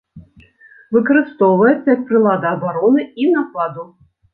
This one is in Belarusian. Выкарыстоўваецца як прылада абароны і нападу.